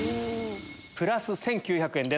プラス１９００円です。